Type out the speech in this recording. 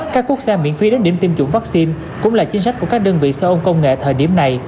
các cúc xe miễn phí đến điểm tiêm chủng vaccine cũng là chính sách của các đơn vị xe ôn công nghệ thời điểm này